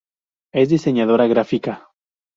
Es diseñadora gráfica.